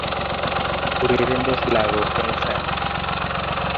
urerendos lakok eng sang